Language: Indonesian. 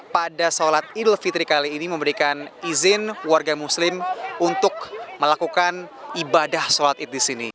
pada sholat idul fitri kali ini memberikan izin warga muslim untuk melakukan ibadah sholat id di sini